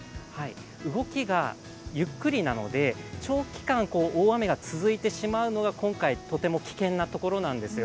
動きがゆっくりなので長期間大雨が続いてしまうのが今回、とても危険なところなんですよ。